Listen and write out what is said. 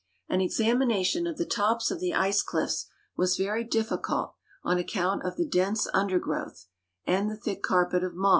An examination of the to])s of the ice cliffs was very difficult on account of the dense undergrowth and the thick carpet of mo.